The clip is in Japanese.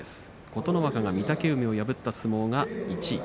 琴ノ若が御嶽海を破った相撲が１位。